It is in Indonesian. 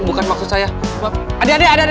bukan maksud saya ada ada ada